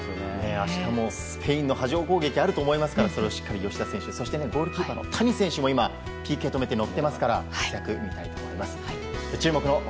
明日もスペインの波状攻撃があると思いますがそれをしっかり吉田選手そしてゴールキーパーの谷選手も今、ＰＫを止めて乗ってますから活躍を期待したいと思います。